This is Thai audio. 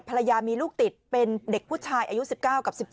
ภรรยามีลูกติดเป็นเด็กผู้ชายอายุ๑๙กับ๑๗